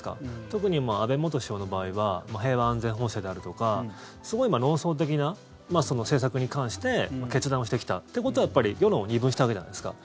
特に、安倍元首相の場合は平和安全法制であるとかすごい論争的な政策に関して決断をしてきたってことは世論を二分したわけじゃないですか。